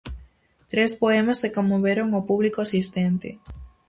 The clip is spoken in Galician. Tres poemas que conmoveron ao público asistente.